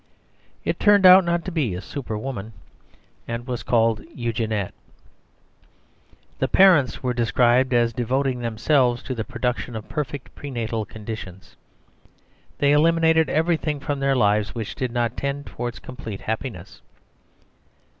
It turned out to be a Superwoman, and was called Eugenette. The parents were described as devoting themselves to the production of perfect pre natal conditions. They "eliminated everything from their lives which did not tend towards complete happiness."